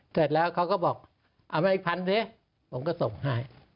เสร็จแล้วเขาก็บอกเอามาอีกพันสิผมก็ส่งให้